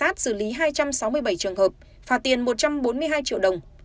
hai trăm sáu mươi bảy trường hợp phạt tiền một trăm bốn mươi hai triệu đồng